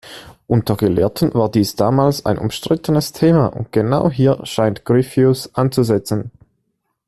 Unter Gelehrten war dies damals ein umstrittenes Thema, und genau hier scheint Gryphius anzusetzen.